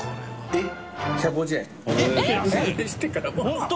えっ？